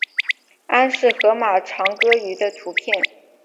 安氏河马长颌鱼的图片